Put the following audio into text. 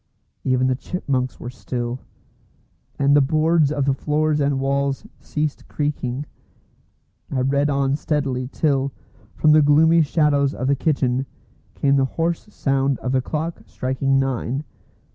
Even the chipmunks were still; and the boards of the floors and walls ceased creaking. I read on steadily till, from the gloomy shadows of the kitchen, came the hoarse sound of the clock striking nine.